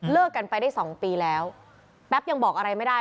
กันไปได้๒ปีแล้วแป๊บยังบอกอะไรไม่ได้